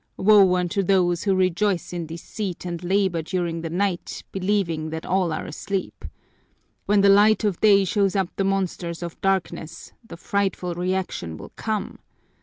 Woe unto those who rejoice in deceit and labor during the night, believing that all are asleep! When the light of day shows up the monsters of darkness, the frightful reaction will come.